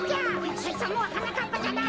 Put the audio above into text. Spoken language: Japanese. そいつはもうはなかっぱじゃない。